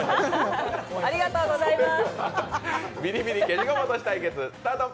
ありがとうございます。